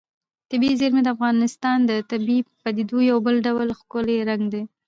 طبیعي زیرمې د افغانستان د طبیعي پدیدو یو بل ډېر ښکلی رنګ دی.